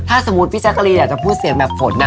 ถ้าสมมติว่าพี่แจ๊กกะรีให้พูดเสียงแรบหมดอะ